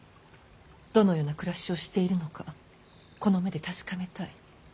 どのような暮らしをしているのかこの目で確かめたい。